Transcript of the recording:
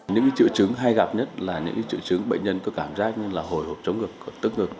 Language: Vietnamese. những triệu chứng hay gặp nhất là những triệu chứng bệnh nhân có cảm giác như là hồi hộp chống ngực tức ngực